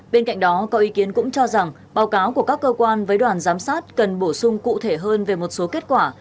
bên cạnh đó có ý kiến cũng cho rằng báo cáo của các cơ quan với đoàn giám sát cần bổ sung cụ thể hơn về một số kết quả